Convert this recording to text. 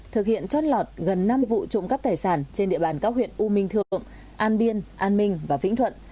thực hiện trót lọt gần năm vụ trộm cắp tài sản trên địa bàn các huyện u minh thượng an biên an minh và vĩnh thuận